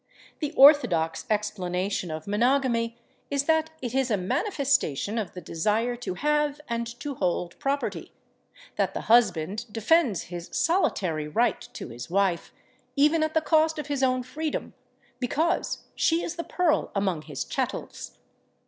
The orthodox explanation of monogamy is that it is a manifestation of the desire to have and to hold property—that the husband defends his solitary right to his wife, even at the cost of his own freedom, because she is the pearl among his chattels.